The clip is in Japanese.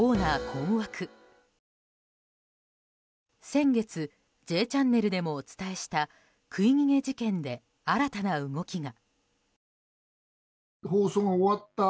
先月、「Ｊチャンネル」でもお伝えした食い逃げ事件で新たな動きが。